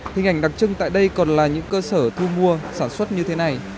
hình ảnh đặc trưng tại đây còn là những cơ sở thu mua sản xuất như thế này